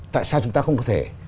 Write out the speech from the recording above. tại sao chúng ta không có thể